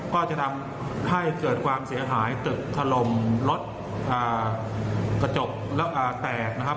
ก็จะทำให้เกิดความเสียหายตึกถล่มรถกระจกแตกนะครับ